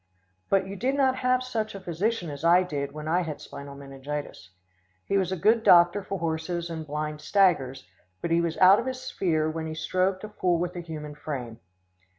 But you did not have such a physician as I did when I had spinal meningitis. He was a good doctor for horses and blind staggers, but he was out of his sphere when he strove to fool with the human frame.